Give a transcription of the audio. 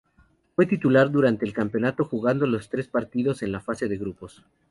Fue titular durante el campeonato jugando los tres partidos en la fase de grupos.